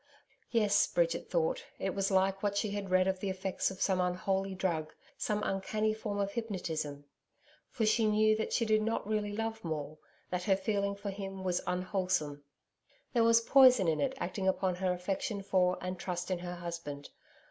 Yes, Bridget thought it was like what she had read of the effects of some unholy drug some uncanny form of hypnotism. For she knew that she did not really love Maule that her feeling for him was unwholesome. There was poison in it acting upon her affection for and trust in her husband.